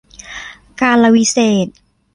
กาลวิเศษณ์